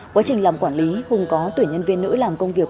quá trình làm quản lý hùng có tuổi nhân viên nữ làm công việc